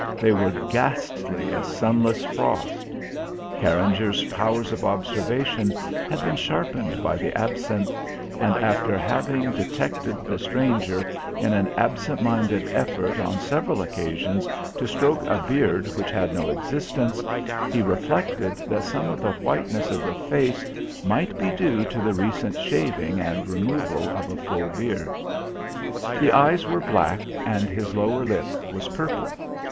They were ghastly as sunless frost. Carringer's powers of observation had been sharpened by the absinthe, and after having detected the stranger in an absent minded effort on several occasions to stroke a beard which had no existence, he reflected that some of the whiteness of the face might be due to the recent shaving and removal of a full beard. The eyes were black, and his lower lip was purple.